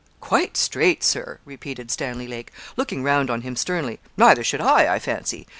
'Quite straight, Sir!' repeated Stanley Lake, looking round on him sternly; 'neither should I, I fancy.